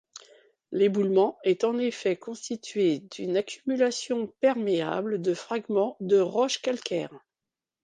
L'éboulement est en effet constitué d'une accumulation perméable de fragments de roche calcaire.